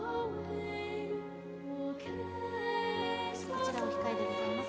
こちらお控えでございます。